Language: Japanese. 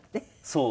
そう。